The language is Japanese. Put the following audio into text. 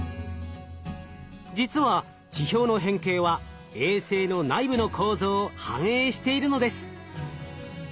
実は地表の変形は衛星の内部の構造を反映しているのです。